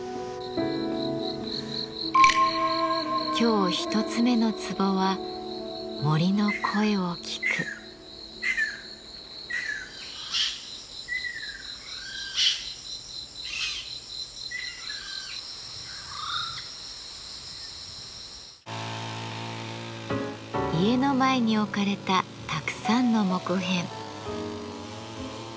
今日一つ目のツボは家の前に置かれたたくさんの木片。